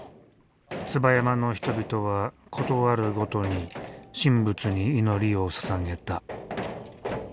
椿山の人々はことあるごとに神仏に祈りをささげた。